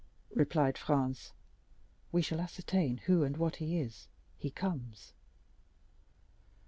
replied Franz; "we shall ascertain who and what he is—he comes!"